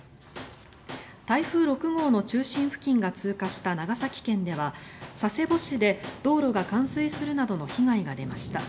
台風６号の中心付近が通過した長崎県では佐世保市で道路が冠水するなどの被害が出ました。